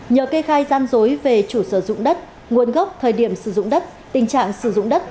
nhờ kê khai gian dối về chủ sử dụng đất nguồn gốc thời điểm sử dụng đất tình trạng sử dụng đất